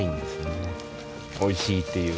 おいしいっていう。